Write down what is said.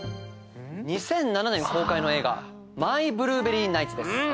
２００７年公開の映画『マイ・ブルーベリー・ナイツ』です。